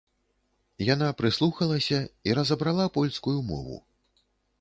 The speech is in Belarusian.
Яна прыслухалася і разабрала польскую мову.